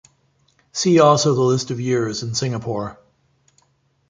See also the list of years in Singapore.